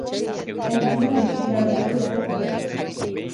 Ez du distira handiko izarrik.